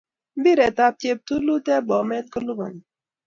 Mpiret ab cheptulut en Bomet kolipani